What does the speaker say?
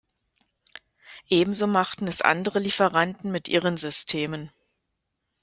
Ebenso machten es andere Lieferanten mit ihren Systemen.